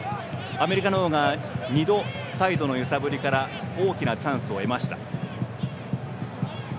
アメリカの方が２度サイドの揺さぶりから大きなチャンスを得ました。